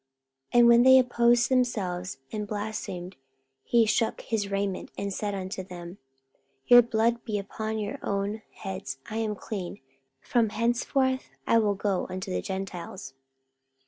44:018:006 And when they opposed themselves, and blasphemed, he shook his raiment, and said unto them, Your blood be upon your own heads; I am clean; from henceforth I will go unto the Gentiles.